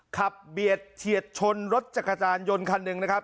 เบียดเฉียดชนรถจักรยานยนต์คันหนึ่งนะครับ